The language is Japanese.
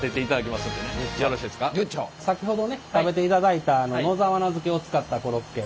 先ほどね食べていただいた野沢菜漬けを使ったコロッケ。